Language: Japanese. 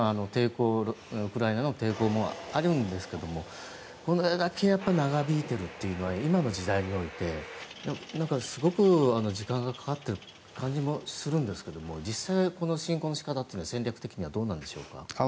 ウクライナの抵抗もあるんですけどもこれだけ長引いているというのは今の時代においてすごく時間がかかっている感じもするんですけども実際はこの侵攻の仕方は戦略的にはどうなんでしょうか。